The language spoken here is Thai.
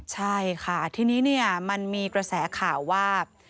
ใช่ค่ะทีนี้มันมีกระแสข่าวว่า